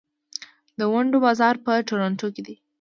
د ونډو بازار په تورنټو کې دی.